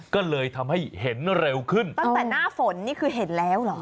ก็เลยทำให้เห็นเร็วขึ้นตั้งแต่หน้าฝนนี่คือเห็นแล้วเหรอ